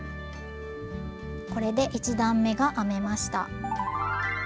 これで１段めが編めました。